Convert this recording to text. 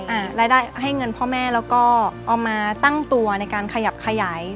รายได้ให้เงินพ่อแม่แล้วก็เอามาตั้งตัวในการขยับขยาย